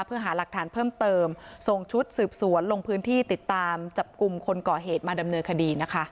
เพื่อหาหลักฐานเพิ่มเติมส่งชุดสืบสวนลงพื้นที่ติดตามจับกลุ่มคนก่อเหตุมาดำเนินคดีนะคะ